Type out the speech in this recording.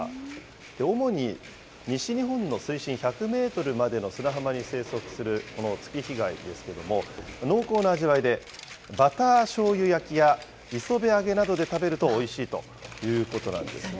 主に西日本の水深１００メートルまでの砂浜に生息する、この月日貝ですけども、濃厚な味わいで、バターしょうゆ焼きや、磯辺揚げなどで食べるとおいしいということなんですね。